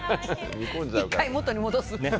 １回元に戻す。